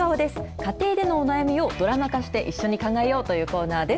家庭でのお悩みをドラマ化して、一緒に考えようというコーナーです。